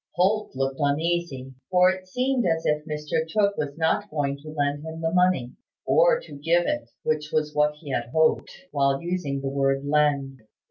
Holt looked uneasy; for it seemed as if Mr Tooke was not going to lend him the money, or to give it, which was what he had hoped, while using the word "lend."